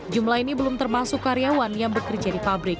jumlah ini belum termasuk karyawan yang bekerja di pabrik